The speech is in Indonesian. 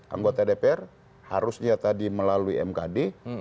anggota dpr harusnya tadi melalui mkd